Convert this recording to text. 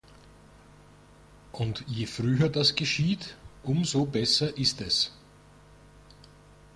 Und je früher das geschieht, um so besser ist es.